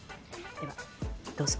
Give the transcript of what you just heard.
ではどうぞ。